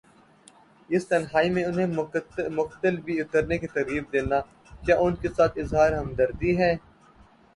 اس تنہائی میں انہیں مقتل میں اترنے کی ترغیب دینا، کیا ان کے ساتھ اظہار ہمدردی ہے؟